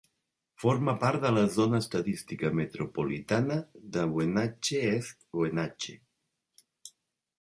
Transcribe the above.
Forma part de la zona estadística metropolitana de Wenatchee-East Wenatchee.